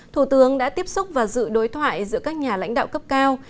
thủ tướng đã tiếp xúc và dự đối thoại giữa các nhà lãnh đạo cấp cao